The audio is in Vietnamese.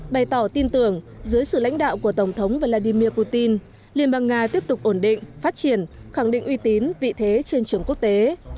bày tỏ tin tưởng dưới sự lãnh đạo của tổng thống vladimir putin liên bang nga tiếp tục ổn định phát triển khẳng định uy tín vị thế trên trường quốc tế